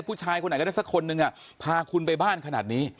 ผู้ชายคนไหนก็ได้สักคนนึงพาคุณไปบ้านขนาดนี้